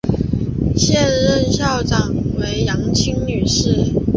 现任校长为杨清女士。